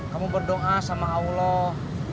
kamu berdoa sama allah